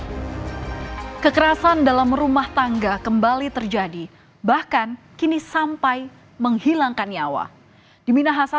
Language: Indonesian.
hai kekerasan dalam rumah tangga kembali terjadi bahkan kini sampai menghilangkan nyawa di minahasa